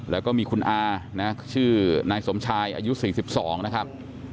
แล้วก็มีคุณอานะชื่อนายสมชายอายุ๔๒นะครับ